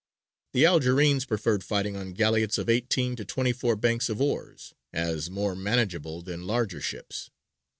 The Algerines preferred fighting on galleots of eighteen to twenty four banks of oars, as more manageable than larger ships.